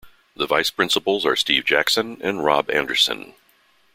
The vice-principals are Steve Jackson and Rob Anderson.